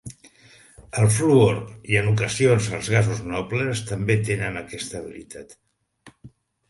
El fluor i en ocasions els gasos nobles, també tenen aquesta habilitat.